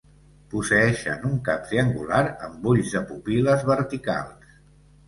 Posseeixen un cap triangular, amb ulls de pupil·les verticals.